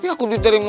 tapi aku diterima